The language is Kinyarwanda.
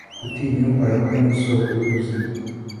gutinya uhoraho ni isoko y'ubuzima